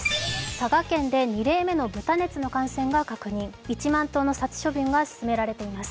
佐賀県で２例目の豚熱の感染が確認、１万頭の殺処分が進められています。